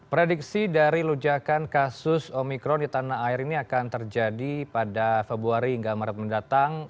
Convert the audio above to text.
prediksi dari lujakan kasus omikron di tanah air ini akan terjadi pada februari hingga maret mendatang